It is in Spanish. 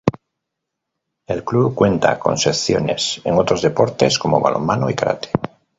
El club cuenta con secciones en otros deportes como balonmano y karate.